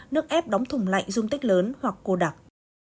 nước ép đóng thùng lạnh dung tích lớn hoặc cô đặc